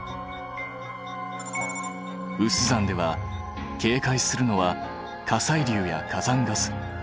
有珠山ではけいかいするのは火砕流や火山ガス。